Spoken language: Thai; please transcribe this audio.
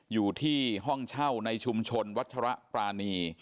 อยู่ที่ห้องเช่าในชุมชนวัชระปรานี